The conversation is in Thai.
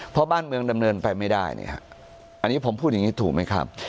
เพราะบ้านเมืองดำเนินไปไม่ได้เนี่ยอันนี้ผมพูดอย่างนี้ถูกไหมครับ